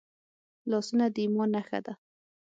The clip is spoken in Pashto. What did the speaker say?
لاسونه د ایمان نښه ده